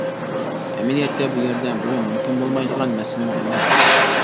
ئەمەلىيەتتە بۇ يەردە بۇ مۇمكىن بولمايدىغان مەسىلىمۇ ئەمەس.